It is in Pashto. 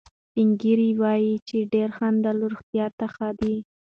سپین ږیري وایي چې ډېر خندل روغتیا ته ښه دي.